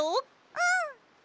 うん！